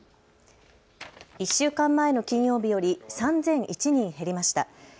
１週間前の金曜日より３００１人減りました。